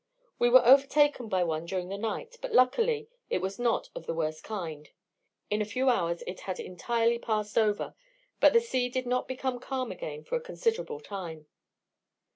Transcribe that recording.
We were overtaken by one during the night, but, luckily, it was not of the worst kind. In a few hours it had entirely passed over, but the sea did not become calm again for a considerable time.